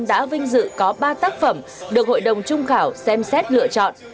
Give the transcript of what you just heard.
đã vinh dự có ba tác phẩm được hội đồng trung khảo xem xét lựa chọn